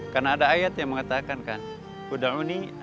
karena ada ayat yang mengatakan